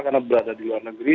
karena berada di luar negeri